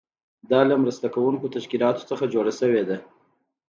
دا له مرسته کوونکو تشکیلاتو څخه جوړه شوې ده.